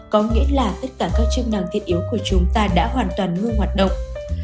có nghĩa là tất cả các chức năng thiết yếu của chúng ta đã hoàn toàn ngưng hoạt động